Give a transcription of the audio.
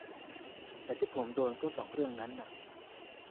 แต่ที่ผมโดนก็สองเรื่องนั้นน่ะ